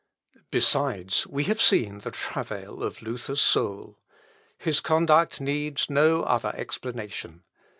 Besides, we have seen the travail of Luther's soul. His conduct needs no other explanation.